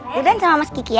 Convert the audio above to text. duluan sama miss kiki ya